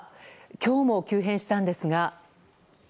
今日も急変したんですが。